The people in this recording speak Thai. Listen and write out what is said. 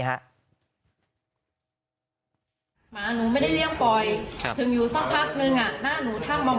ตอนนี้ขอเอาผิดถึงที่สุดยืนยันแบบนี้